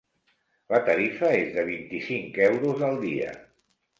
La tarifa és de vint-i-cinc euros al dia.